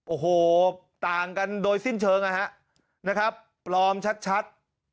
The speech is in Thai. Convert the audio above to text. โอ้โหต่างกันด้วยสิ้นเชิงนะฮะปลอมชัด